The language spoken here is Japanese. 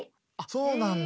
そうなんだ。